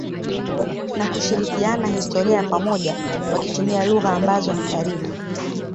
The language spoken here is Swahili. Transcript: na kushirikiana historia ya pamoja wakitumia lugha ambazo ni karibu.